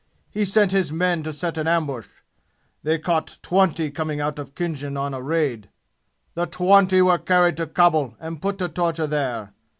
He sent his men to set an ambush. They caught twenty coming out of Khinjan on a raid. The twenty were carried to Khabul and put to torture there.